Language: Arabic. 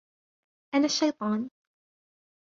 انا الشيطان.